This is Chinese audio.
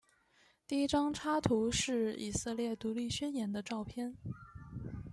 第一张插图是以色列独立宣言的照片。